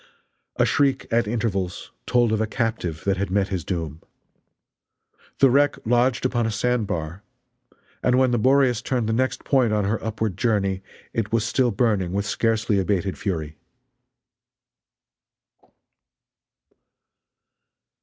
A shriek at intervals told of a captive that had met his doom. The wreck lodged upon a sandbar, and when the Boreas turned the next point on her upward journey it was still burning with scarcely abated fury.